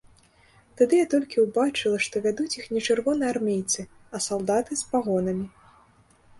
Тады я толькі ўбачыла, што вядуць іх не чырвонаармейцы, а салдаты з пагонамі.